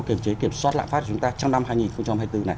kiểm chế kiểm soát lạm phát của chúng ta trong năm hai nghìn hai mươi bốn này